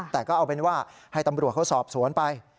แต่ก็เอาเป็นว่าให้ตำรวจเขาสอบสวนไป